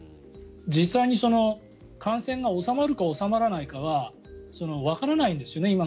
実際に感染が収まるか収まらないかはわからないんですよね